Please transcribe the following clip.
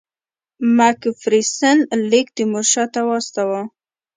مک فیرسن لیک تیمورشاه ته واستاوه.